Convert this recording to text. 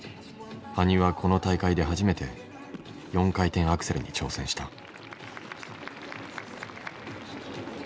羽生はこの大会で初めて４回転アクセルに挑戦した。